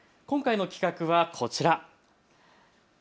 今回の企画はこちら。